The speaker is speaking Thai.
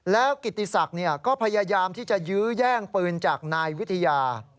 แล้วกิติศักดิ์ก็พยายามที่จะยื้อแย่งปืนจากนายวิทยา